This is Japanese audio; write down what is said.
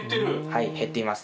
はい減っています。